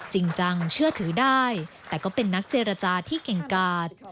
จริงจังเชื่อถือได้แต่ก็เป็นนักเจรจาที่เก่งกาด